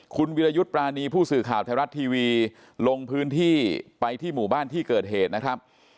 คุณวิรยุทธ์ปรานีผู้สื่อข่าวไทยรัฐทีวีลงพื้นที่ไปที่หมู่บ้านที่เกิดเหตุนะครับ